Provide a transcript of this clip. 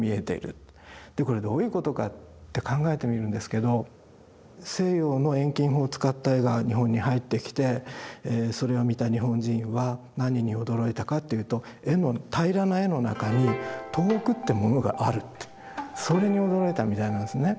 でこれどういうことかって考えてみるんですけど西洋の遠近法を使った絵が日本に入ってきてそれを見た日本人は何に驚いたかっていうと絵の平らな絵の中に遠くってものがあるそれに驚いたみたいなんですね。